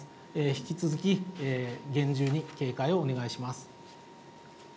引き続き厳重に警戒をお願いします。